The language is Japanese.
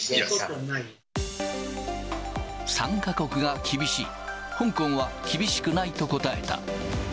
３か国が厳しい、香港は厳しくないと答えた。